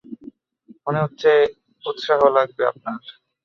মনে হচ্ছে উৎসাহ লাগবে আপনার!